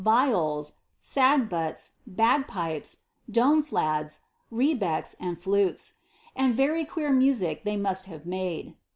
Hols, sagbuts, bagpipes, domeJUtdsj rebecks, and flutes, — and very queer ■vie they must have made.